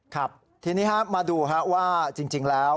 ครับทีนี้มาดูว่าจริงแล้ว